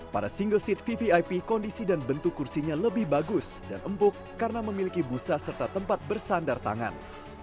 pada single seat vvip kondisi dan bentuk kursinya lebih bagus dan empuk karena memiliki busa serta tempat bersandar tangan